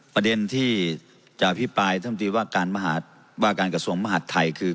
ประเด็นที่จะอภิปรายท่านตีว่าการว่าการกระทรวงมหาดไทยคือ